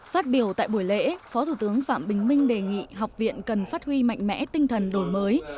phát biểu tại buổi lễ phó thủ tướng phạm bình minh đề nghị học viện cần phát huy mạnh mẽ tinh thần đổi mới